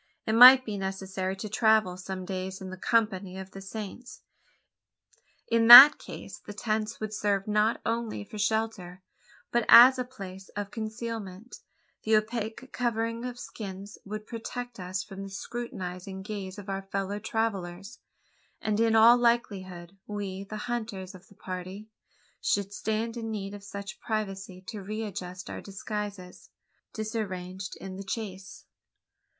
It might be necessary to travel some days in the company of the Saints. In that case, the tents would serve not only for shelter, but as a place of concealment. The opaque covering of skins would protect us from the too scrutinising gaze of our fellow travellers; and in all likelihood we the hunters of the party should stand in need of such privacy to readjust our disguises disarranged in the chase.